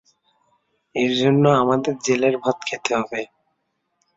এর জন্য আমাদের জেলের ভাত খেতে হবে।